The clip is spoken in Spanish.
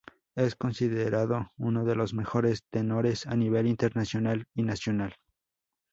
Es considerado uno de los mejores tenores a nivel internacional y nacional.